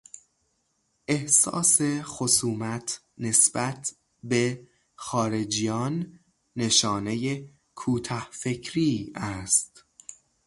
احساس خصومت نسبت به خارجیان نشانهی کوتهفکری است.